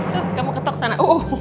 tuh kamu ketok sana